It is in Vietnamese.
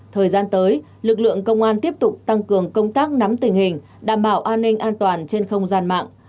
thời gian tới lực lượng công an tiếp tục tăng cường công tác nắm tình hình đảm bảo an ninh an toàn trên không gian mạng